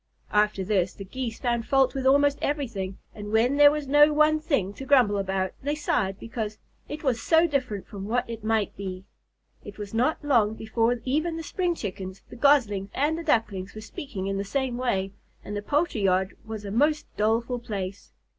After this, the Geese found fault with almost everything, and when there was no one thing to grumble about, they sighed because, "It was so different from what it might be." It was not long before even the spring Chickens, the Goslings, and the Ducklings were speaking in the same way, and the poultry yard was a most doleful place.